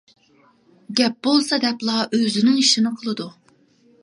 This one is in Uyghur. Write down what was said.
گەپ بولسا دەپلا ئۆزىنىڭ ئىشىنى قىلىدۇ.